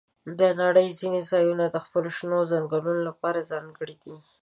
د نړۍ ځینې ځایونه د خپلو شنو ځنګلونو لپاره ځانګړي دي.